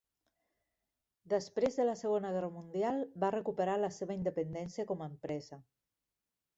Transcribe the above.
Després de la Segona Guerra Mundial, va recuperar la seva independència com a empresa.